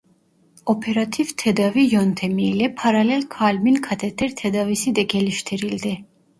Operatif tedavi yöntemi ile paralel kalbin kateter tedavisi de geliştirildi.